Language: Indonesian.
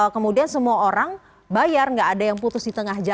kemudian semua orang bayar nggak ada yang putus di tengah jalan